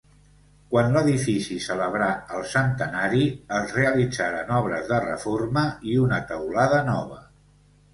Quan l'edifici celebrà el centenari, es realitzaren obres de reforma i una teulada nova.